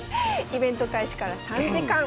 イベント開始から３時間。